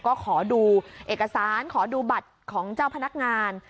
ก็ขอดูเอกสารขอดูบัตรของเจ้าพนักงาน